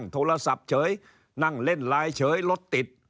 โทรศัพท์เฉยนั่งเล่นไลน์เฉยรถติด